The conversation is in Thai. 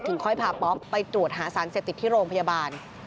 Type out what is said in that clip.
ค่อยพาป๊อปไปตรวจหาสารเสพติดที่โรงพยาบาล